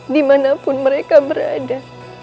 dimanapun mereka berada